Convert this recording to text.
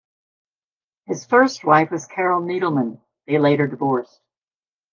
His first wife was Carol Needelman; they later divorced.